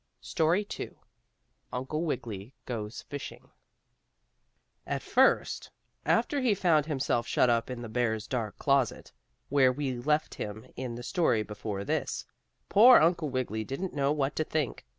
STORY II UNCLE WIGGILY GOES FISHING At first, after he found himself shut up in the bear's dark closet, where we left him in the story before this, poor Uncle Wiggily didn't know what to think.